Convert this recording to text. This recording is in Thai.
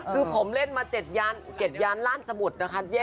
คือผมเล่นมา๗ยานล่านสมุทรนะคะ